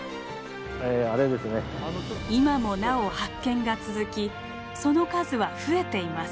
今もなお発見が続きその数は増えています。